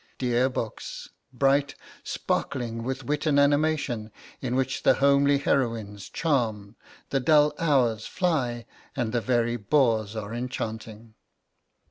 Dear books! bright, sparkling with wit and animation, in which the homely heroines charm, the dull hours fly, and the very bores are enchanting.